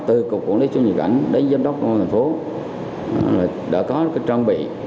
từ quản lý xuất nhập cảnh đến giám đốc thành phố đã có trang bị